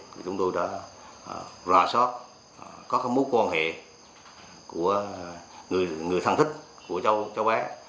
thì chúng tôi đã ròa sót có mối quan hệ của người thân thích của cháu bé